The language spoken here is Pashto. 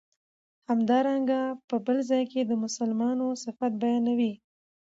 همدارنګه په بل ځای کی د مسلمانو صفت بیانوی